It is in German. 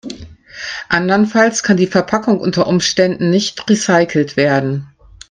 Andernfalls kann die Verpackung unter Umständen nicht recycelt werden.